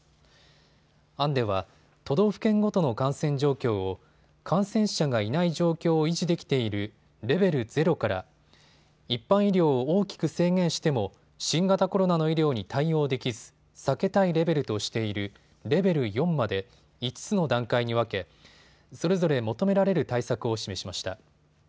案では都道府県ごとの感染状況を感染者がいない状況を維持できているレベル０から一般医療を大きく制限しても新型コロナの医療に対応できず避けたいレベルとしているレベル４まで５つの段階に分けそれぞれ求められる対策を示しました。